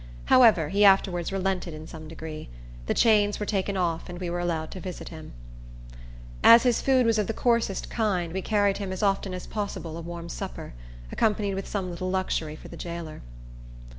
However, he afterwards relented in some degree. The chains were taken off, and we were allowed to visit him. As his food was of the coarsest kind, we carried him as often as possible a warm supper, accompanied with some little luxury for the jailer.